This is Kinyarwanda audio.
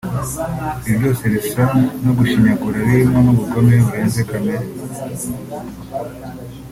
Ibi byose bisa no gushinyagura birimo n’ubugome burenze kamere